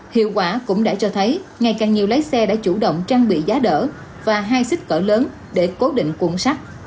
hiệu quả cũng đã cho thấy ngày càng nhiều lái xe đã chủ động trang bị giá đỡ và hai xích cỡ lớn để cố định cuộn sắt